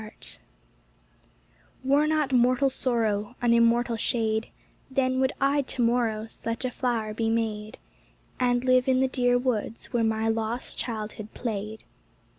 54 THE ARBUTUS Were not mortal sorrow An immortal shade, Then would I to morrow Such a flower be made, And live in the dear woods where my lost childhood played.